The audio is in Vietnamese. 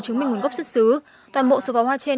chứng minh nguồn gốc xuất xứ toàn bộ số pháo hoa trên